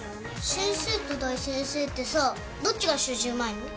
先生と大先生ってさどっちが習字うまいの？